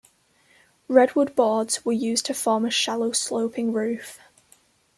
Redwood boards were used to form a shallow sloping roof.